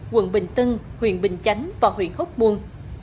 quận bình tân huyện bình chánh và huyện hốc buôn